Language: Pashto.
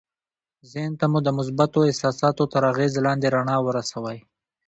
ذهن ته مو د مثبتو احساساتو تر اغېز لاندې رڼا ورسوئ